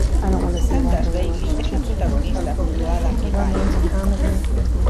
Candace Bailey es la protagonista junto a Adam Levine.